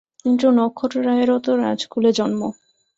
কিন্তু নক্ষত্ররায়েরও তো রাজকুলে জন্ম।